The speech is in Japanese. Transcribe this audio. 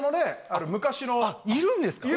あっいるんですか？